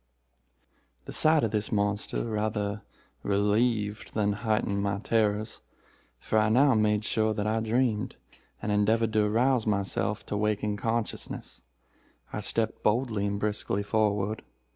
"The sight of this monster rather relieved than heightened my terrors—for I now made sure that I dreamed, and endeavored to arouse myself to waking consciousness. I stepped boldly and briskly forward.